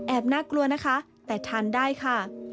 น่ากลัวนะคะแต่ทานได้ค่ะ